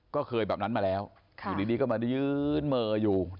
ก็เคยแบบนั้นมาแล้วอยู่ดีก็มายืนเมออยู่